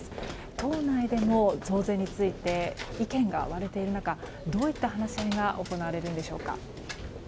党内でも、増税について意見が割れている中どういった話し合いが行われるんでしょうか。